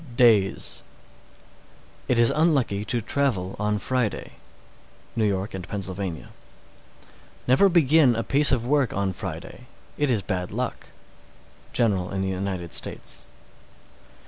612. It is unlucky to travel on Friday. New York and Pennsylvania. 613. Never begin a piece of work on Friday; it is bad luck. _General in the United States.